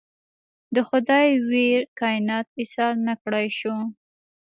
د خدای ویړ کاینات ایسار نکړای شي.